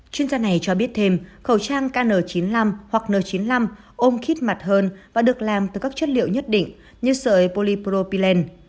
chuyên gia này cho biết thêm khẩu trang kn chín mươi năm hoặc n chín mươi năm ôm khít mặt hơn và được làm từ các chất liệu nhất định như sợi polypropyland